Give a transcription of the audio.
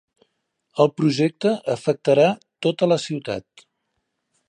El projecte afectarà tota la ciutat.